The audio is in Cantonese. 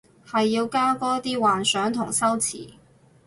係要加多啲幻想同修辭